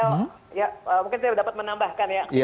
ya mungkin saya dapat menambahkan ya